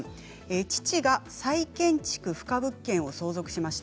父が再建築不可物件を相続しました。